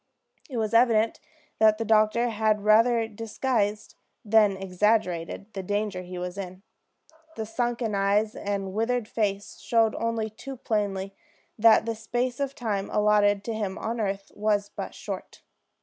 It was evident that the doctor had rather disguised than exaggerated the danger he was in. The sunken eyes and withered face showed only too plainly that the space of time allotted to him on earth was but short.